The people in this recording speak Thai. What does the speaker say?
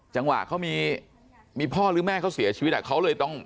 จังหวะเขามีพ่อหรือแม่เขาเสียชีวิตเขาเลยต้อง